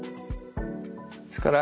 ですから